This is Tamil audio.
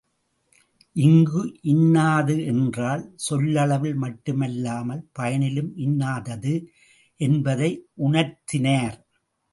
இங்கு இன்னாத என்றதால் சொல்லளவில் மட்டுமல்லாமல் பயனிலும் இன்னாதது என்பதை உணர்த்தினார்.